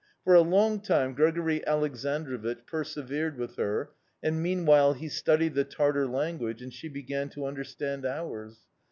For a long time Grigori Aleksandrovich persevered with her, and meanwhile he studied the Tartar language and she began to understand ours.